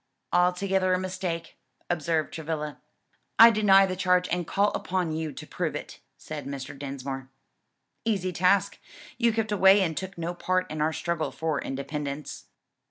"Altogether a mistake," observed Travilla. "I deny the charge and call upon you to prove it," said Mr. Dinsmore. "Easy task; you kept away and took no part in our struggle for independence."